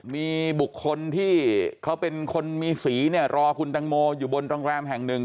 มีบุคคลที่เขาเป็นคนมีสีเนี่ยรอคุณตังโมอยู่บนโรงแรมแห่งหนึ่ง